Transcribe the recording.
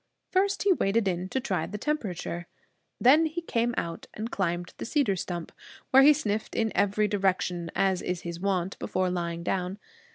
First he waded in to try the temperature. Then he came out and climbed the cedar stump, where he sniffed in every direction, as is his wont before lying down.